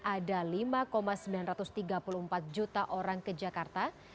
ada lima sembilan ratus tiga puluh empat juta orang ke jakarta